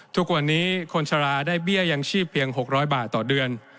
ทุกวันนี้คนชะลาได้เบี้ยยังชีพเพียง๖๐๐บาทต่อเดือน